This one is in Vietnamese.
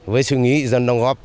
với suy nghĩ dân đồng góp